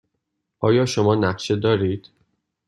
آیا شما نقشه دارید؟